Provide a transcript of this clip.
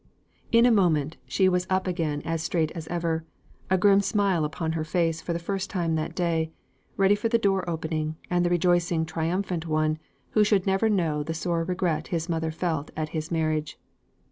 In a moment, she was up again as straight as ever, a grim smile upon her face for the first time that day, ready for the door opening, and the rejoicing triumphant one, who should never know the sore regret his mother felt at his marriage.